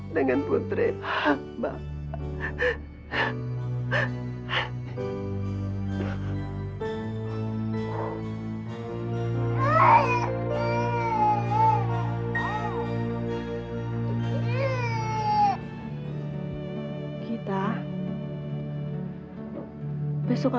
dengan putri hamba